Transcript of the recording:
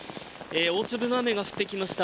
大粒の雨が降ってきました。